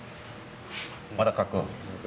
まだ描く？